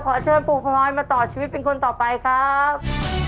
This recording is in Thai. เชิญปู่พลอยมาต่อชีวิตเป็นคนต่อไปครับ